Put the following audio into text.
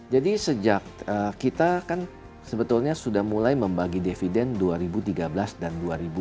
jadi sejak kita kan sebetulnya sudah mulai membagi dividen dua ribu tiga belas dan dua ribu empat belas